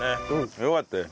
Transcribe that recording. よかったよ。